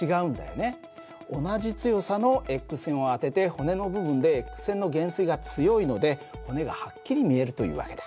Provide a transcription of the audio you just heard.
同じ強さのＸ線を当てて骨の部分でＸ線の減衰が強いので骨がはっきり見えるという訳だ。